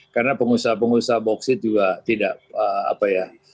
karena pengusaha pengusaha boksit juga tidak apa ya